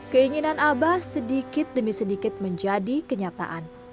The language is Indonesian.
keinginan abah sedikit demi sedikit menjadi kenyataan